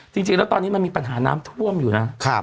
จริงแล้วตอนนี้มันมีปัญหาน้ำท่วมอยู่นะ